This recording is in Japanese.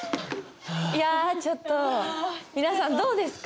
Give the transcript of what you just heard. いやちょっと皆さんどうですか？